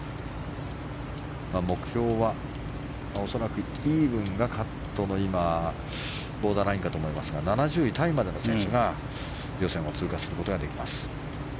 目標は恐らく、今、イーブンがカットのボーダーラインかと思いますが７０位タイまでの選手が予選を通過することができます。